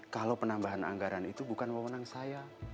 kalau penambahan anggaran itu bukan memenang saya